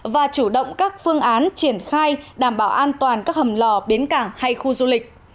và chủ động các phương án triển khai đảm bảo an toàn các hầm lò bến cảng hay khu du lịch